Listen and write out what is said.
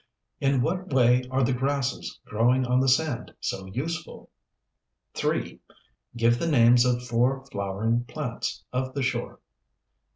In what way are the grasses growing on the sand so useful? 3. Give the names of four flowering plants of the shore.